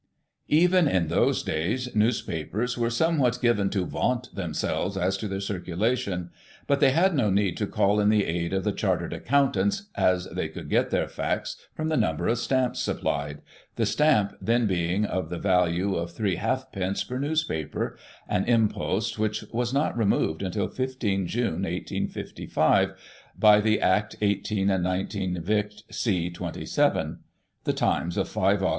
" Even in those days, Newspapers were somewhat given to vaunt themselves as to their circulation, but they had no need to call in the aid of the chartered accountant, as they could get their facts from the number of stamps supplied — the stamp then being of the value of three halfpence per news paper, an impost which was not removed imtil 15 June, 1855, by the Act 18 and 19 Vict, c. 27. The Times of 5 Aug.